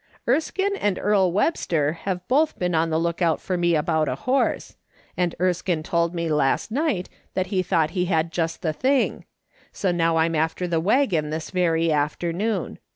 " Erskine and Earle Webster have both been on the look out for me about a horse, and Erskine told me last night that he thought he had just the thing ; so now I'm after the waggon this very afternoon.